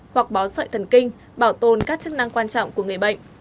hoặc bó sợi thần kinh bảo tồn các chức năng quan trọng của người bệnh